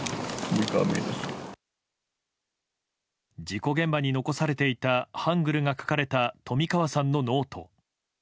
事故現場に残されていたハングルが書かれた冨川さんのノート。